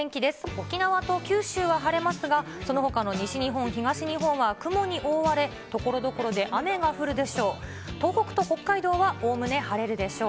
沖縄と九州は晴れますが、そのほかの西日本、東日本は雲に覆われ、ところどころで雨が降るでしょう。